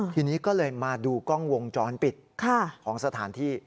ทีนี้ก็เลยมาดูกล้องวงจรปิดของสถานที่